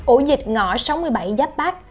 ổ dịch ngõ sáu mươi bảy giáp bắc